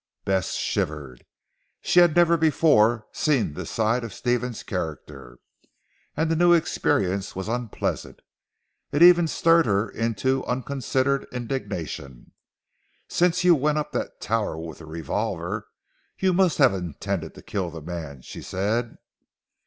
Bess shivered. She had never before seen this side of Stephen's character, and the new experience was unpleasant. It even stirred her into unconsidered indignation. "Since you went up that tower with a revolver, you must have intended to kill the man," she said.